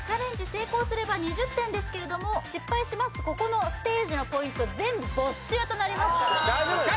成功すれば２０点ですけれども失敗しますとここのステージのポイント全部没収となりますから大丈夫ですよね